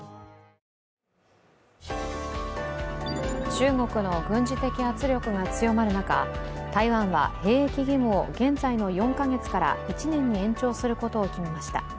中国の軍事的圧力が強まる中、台湾は兵役義務を現在の４か月から１年に延長することを決めました。